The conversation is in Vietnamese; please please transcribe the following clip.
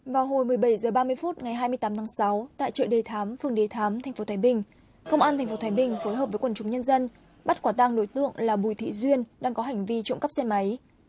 vào hồi một mươi bảy h ba mươi phút ngày hai mươi tám tháng sáu tại chợ đề thám phương đề thám tp thái bình công an tp thái bình phối hợp với quần chúng nhân dân bắt quả tang đối tượng là bùi thị duyên đang có hành vi trộm cắp xe máy